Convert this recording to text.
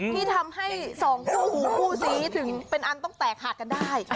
ที่ทำให้สองคู่หูคู่สีถึงเป็นอันต้องแตกหาดกันได้